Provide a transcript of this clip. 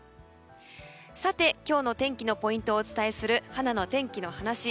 さて、今日の天気のポイントをお伝えするはなの天気のはなし。